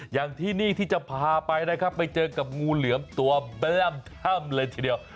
อย่างที่นี่ที่จะพาไปนะครับไปเจอกับงูเหลือมตัวแบ้มถ้ำเลยทีเดียว